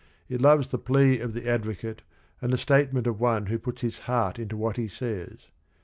It loves the plea of the advocate and the statement of one who puts his heart into what he says.